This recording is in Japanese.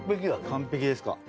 完璧ですか。